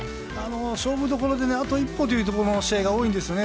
勝負どころであと一歩という試合が多いんですよね